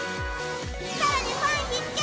さらにファン必見！